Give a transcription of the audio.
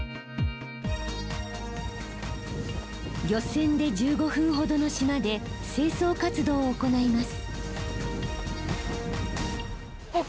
漁船で１５分ほどの島で清掃活動を行います。